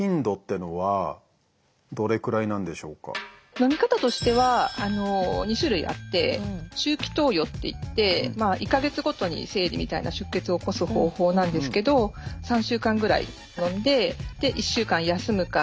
ちなみにのみ方としては２種類あって周期投与っていって１か月ごとに生理みたいな出血を起こす方法なんですけど３週間くらいのんで１週間休むか